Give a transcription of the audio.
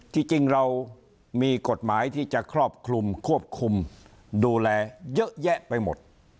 จริงเรามีกฎหมายที่จะครอบคลุมควบคุมดูแลเยอะแยะไปหมด